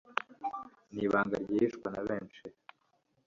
Nibanga ryihishwa na benshi